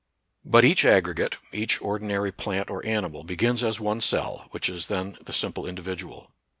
But each aggregate, each ordinary plant or animal, begins as one cell, which is then the sim ple individual.